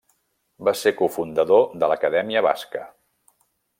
Va ser cofundador de l'Acadèmia Basca.